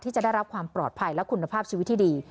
จะได้รับความปลอดภัยและคุณภาพชีวิตที่ดี